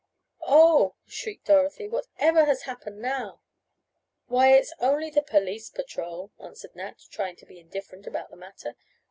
"Oh," shrieked Dorothy. "What ever has happened now?" "Why, it's only the 'police patrol," answered Nat, trying to be indifferent about the matter.